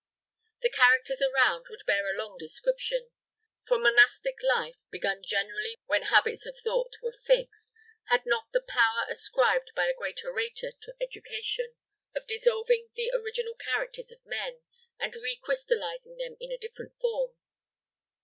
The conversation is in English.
The characters around would bear a long description; for monastic life begun generally when habits of thought were fixed had not the power ascribed by a great orator to education, of dissolving the original characters of men, and recrystallizing them in a different form.